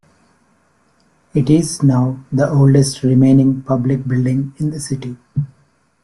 It is now the oldest remaining public building in the city.